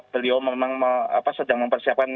beliau memang sedang mempersiapkan